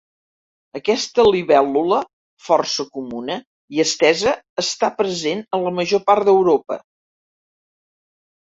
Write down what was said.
Aquesta libèl·lula força comuna i estesa està present a la major part d'Europa.